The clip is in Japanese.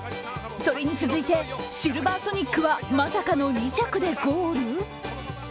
それに続いてシルヴァーソニックはまさかの２着でゴール？